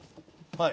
はい。